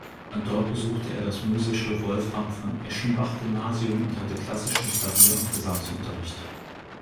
Dort besuchte er das musische Wolfram-von-Eschenbach-Gymnasium und hatte klassischen Klavier- und Gesangsunterricht.